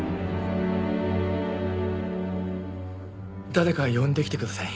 誰か呼んできてください。